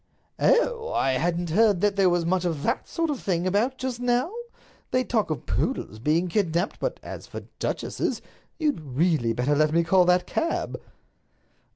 "Oh! I hadn't heard that there was much of that sort of thing about just now. They talk of poodles being kidnaped, but as for duchesses—You'd really better let me call that cab."